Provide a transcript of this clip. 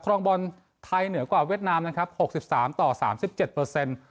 ครองบอลไทยเหนือกว่าเวียดนามนะครับ๖๓ต่อ๓๗เปอร์เซ็นต์